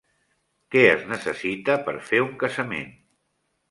Què es necessita per fer un casament?